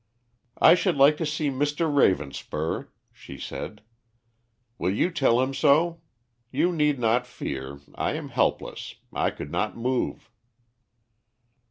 "I should like to see Mr. Ravenspur," she said. "Will you tell him so? You need not fear. I am helpless. I could not move."